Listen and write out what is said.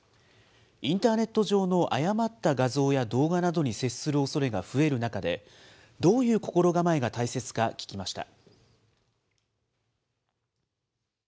インターネット上の誤った画像や動画などに接するおそれが増える中で、どういう心構えが大切か聞きました。